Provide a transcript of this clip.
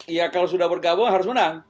ya kalau sudah bergabung harus menang